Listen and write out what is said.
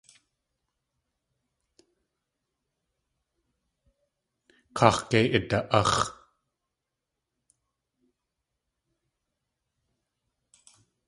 Kaax̲ kei ida..áx̲!